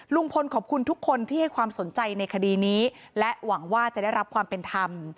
ลุงพลขอบคุณทุกคนที่ให้ความสนใจในคดีนี้และหวังว่าจะได้รับความเป็นธรรม